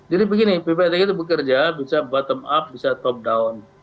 jadi begini ppatk itu bekerja bisa bottom up bisa top down